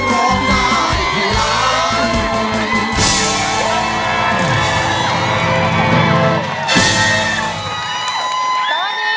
เลเมิน